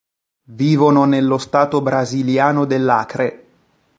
Vivono nello stato brasiliano dell'Acre.